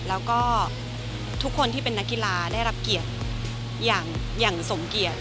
แล้วก็ทุกคนที่เป็นนักกีฬาได้รับเกียรติอย่างสมเกียจ